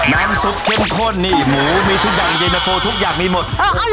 น้ำสุกเช่นข้นหูมีทุกอย่างเย็นเตอร์โฟทุกอย่างมีหมด